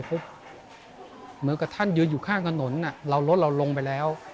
เขาเหมือนกับท่านยืนอยู่ข้างถนนเรารถเราลงไปแล้ว